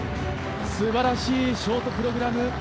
すばらしいショートプログラム。